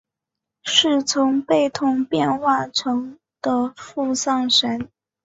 是从贝桶变化成的付丧神。